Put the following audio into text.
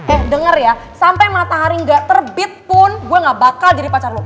eh denger ya sampe matahari gak terbit pun gue gak bakal jadi pacar lo